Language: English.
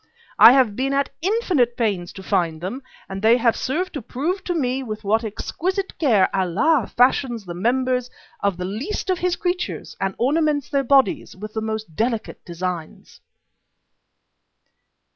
I have been at infinite pains to find them, and they have served to prove to me with what exquisite care Allah fashions the members of the least of His creatures and ornaments their bodies with the most delicate designs."